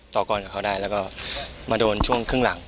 ต่อก่อนกับเขาได้แล้วจะมาโดนช่วงขึ้นหลัง